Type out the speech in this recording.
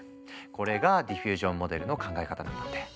これがディフュージョンモデルの考え方なんだって。